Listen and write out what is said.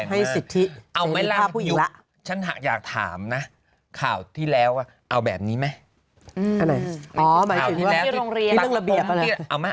ให้สิทธิเอาไหมล่ะฉันอยากถามนะข่าวที่แล้วเอาแบบนี้ไหมอ๋อหมายถึงที่โรงเรียน